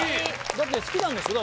だって好きなんでしょ？